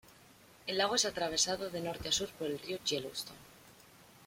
El lago es atravesado de norte a sur por el río Yellowstone.